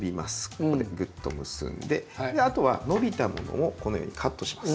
ここでグッと結んであとは伸びたものをこのようにカットします。